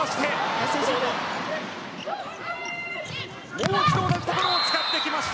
もう１度同じところを使ってきた。